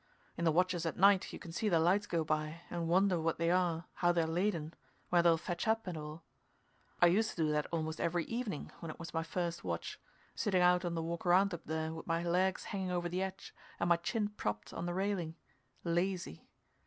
In the watches at night you can see their lights go by, and wonder what they are, how they're laden, where they'll fetch up, and all. I used to do that almost every evening when it was my first watch, sitting out on the walk around up there with my legs hanging over the edge and my chin propped on the railing lazy.